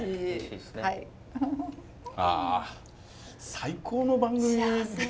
最高の番組。